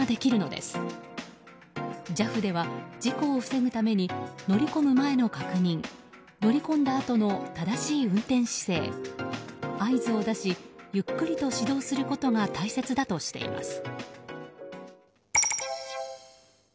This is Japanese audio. ＪＡＦでは事故を防ぐために乗り込む前の確認乗り込んだあとの正しい運転姿勢合図を出しゆっくりと始動することが大切だとしています。